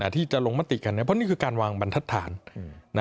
ที่จะลงมติกันเพราะนี่คือการวางบรรทัศน